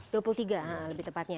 dua puluh tiga lebih tepatnya